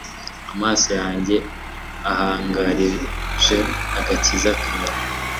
amaso yanjye ahangarije agakiza kawe